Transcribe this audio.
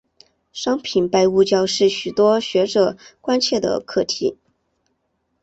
商品拜物教是许多学者关切的课题。